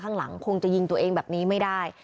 ข้างหลังคงจะยิงตัวเองแบบนี้ไม่ได้